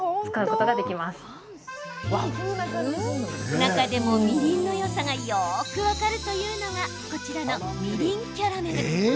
中でも、みりんのよさがよく分かるというのがこちらの、みりんキャラメル。